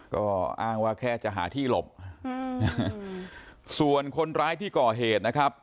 ก็อ้างว่าแค่จะหาที่หลบส่วนคนร้ายที่ก่อเหตุนะครับ